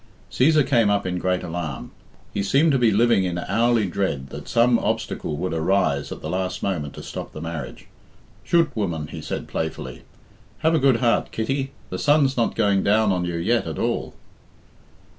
Cæsar came up in great alarm. He seemed to be living in hourly dread that some obstacle would arise at the last moment to stop the marriage. "Chut, woman!" he said play . fully. "Have a good heart, Kitty. The sun's not going down on you yet at all."